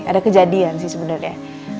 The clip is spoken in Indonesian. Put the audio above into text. ada kejadian sih sebenernya